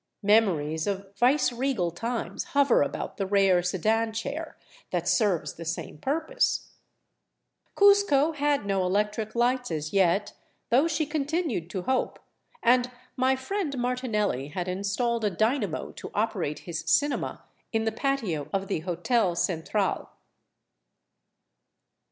Memories of viceregal times hover about the rare sedan chair that serves the same purpose. Cuzco had no electric lights as yet, though she continued to hope, 427 VAGABONDING DOWN THE ANDES and my friend Martinelli had enstalled a dynamo to operate his cinema in the patio of the " Hotel Central."